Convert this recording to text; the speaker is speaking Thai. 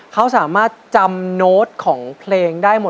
เขาสามารถจำโน้ตของเพลงได้หมด